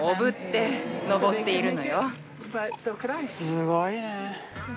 すごいね。